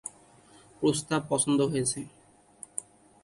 প্রস্তাব পছন্দ হয়েছে।